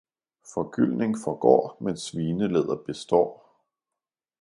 Forgyldning forgår, men svinelæder består